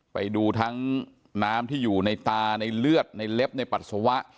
ไปดูทั้งน้ำที่อยู่ในตาในเลือดในเล็บในปัสสาวะ